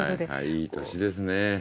いい年ですね。